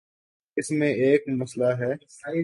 اس میں ایک مسئلہ ہے۔